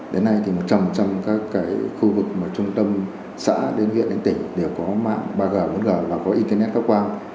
đến nay thì một trăm một trăm các cái khu vực mà trung tâm xã đến huyện đến tỉnh đều có mạng ba g bốn g và có internet góc quang